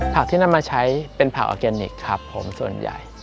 ผักที่นำมาใช้เป็นผักออร์เกเน็คส่วนใหญ่